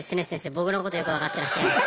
僕のことよく分かってらっしゃいます。